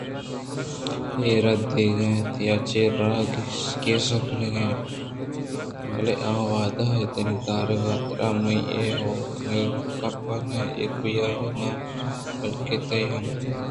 اے رَد دیگ اَت یا چہ راہ ءَ گسر کنگ بلئے آوہدءَ آئی ءِ دل ءِ دارگ ءِ حاترا من ءَ ہئوکنگ کپت نہ ایوک ءَآئی ءِناں بلکیں تئی ہم